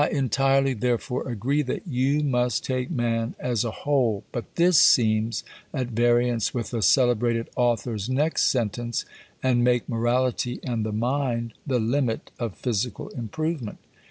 I entirely therefore agree that "you must take man as a whole." But this seems at variance with a celebrated author's next sentence "and make morality and the mind the limit of physical improvement."